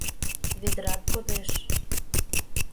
Ведрат кодеш